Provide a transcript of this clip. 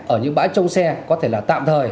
ở những bãi trông xe có thể là tạm thời